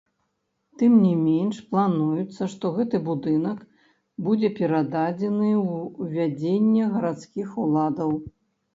Тым не менш, плануецца, што гэты будынак будзе перададзены ў вядзенне гарадскіх уладаў.